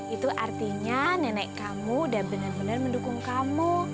itu artinya nenek kamu udah benar benar mendukung kamu